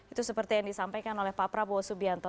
itu seperti yang disampaikan oleh pak prabowo subianto